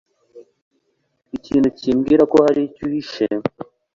Ikintu kimbwira ko hari icyo uhishe.